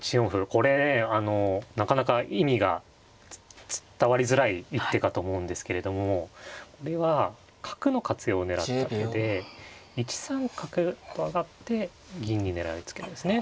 これねあのなかなか意味が伝わりづらい一手かと思うんですけれどもこれは角の活用を狙った手で１三角と上がって銀に狙いをつけるんですね。